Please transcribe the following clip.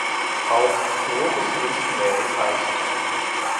Augstus kokus visi vēji aizķer.